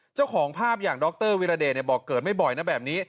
เจ้าของภาพอย่างดรวิรเดชบอกเกิดไม่บ่อยนะแบบนี้